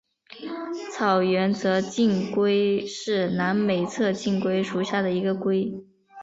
草原侧颈龟是南美侧颈龟属下的一种龟。